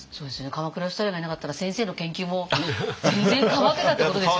鎌倉芳太郎がいなかったら先生の研究も全然変わってたってことですよね。